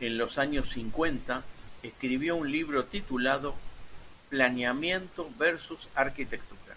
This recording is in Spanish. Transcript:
En los años cincuenta escribió un libro titulado "Planeamiento versus arquitectura".